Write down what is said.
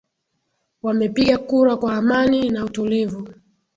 wamepiga kura kwa amanii na utulivu